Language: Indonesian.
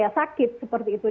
sakit seperti itu